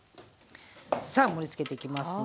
さあ盛りつけていきますね。